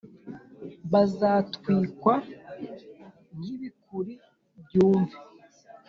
bazatwikwa nk’ibikūri byumye